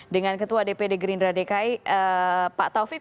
dengan ketua dpd gerindra dki pak taufik